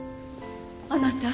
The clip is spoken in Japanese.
あなた。